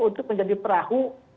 untuk menjadi perahu